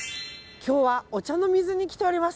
今日は、お茶の水に来ております。